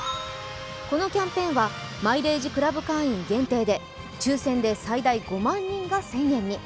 このキャンペーンはマイレージクラブ会員限定で抽選で最大５万人が１０００円に。